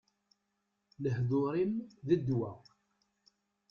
Lehdur-im, d ddwa!